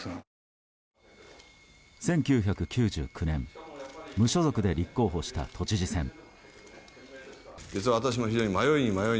１９９９年無所属で立候補した都知事選。